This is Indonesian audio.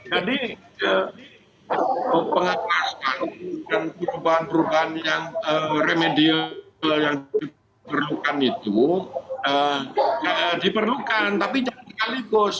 pengawasan dan perubahan perubahan yang remedial yang diperlukan itu diperlukan tapi jangan sekaligus